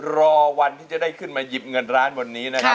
รอวันที่จะได้ขึ้นมาหยิบเงินร้านวันนี้นะครับ